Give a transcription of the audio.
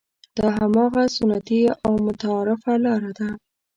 دا هماغه سنتي او متعارفه لاره ده.